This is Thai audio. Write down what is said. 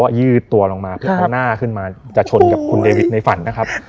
ยืดตัวลงมาเพื่อเอาหน้าขึ้นมาจะชนกับคุณเดวิทในฝันนะครับ